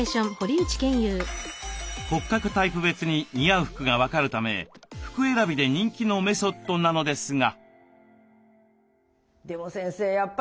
骨格タイプ別に似合う服が分かるため服選びで人気のメソッドなのですが。